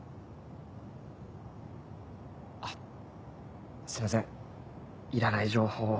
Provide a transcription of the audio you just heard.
あっすいませんいらない情報を。